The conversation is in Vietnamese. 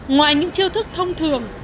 ngoài những chiêu thức thông thường